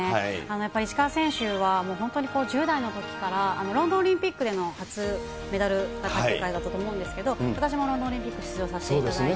やっぱり石川選手は、もう本当に１０代のときから、ロンドンオリンピックでの初メダルがあったと思うんですけど、私もロンドンオリンピック出場させていただいて。